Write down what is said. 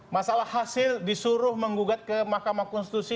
masalah hasil disuruh menggugat ke mahkamah konstitusi